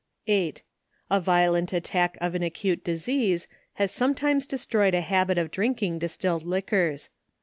8. A violent attack of an acute disease, has sometimes destroyed a habit of drinking distilled liquors.